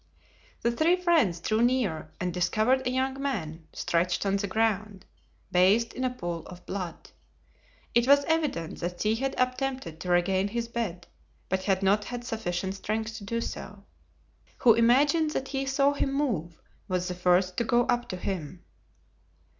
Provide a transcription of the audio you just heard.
The three friends drew near and discovered a young man stretched on the ground, bathed in a pool of blood. It was evident that he had attempted to regain his bed, but had not had sufficient strength to do so. Athos, who imagined that he saw him move, was the first to go up to him.